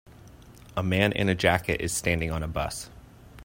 A man in a jacket is standing on a bus.